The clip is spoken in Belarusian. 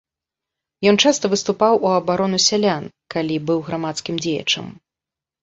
Ён часта выступаў у абарону сялян, калі быў грамадскім дзеячам.